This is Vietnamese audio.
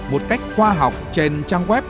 một cách khoa học trên trang web